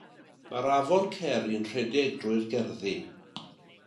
Mae'r Afon Ceri'n rhedeg drwy'r gerddi.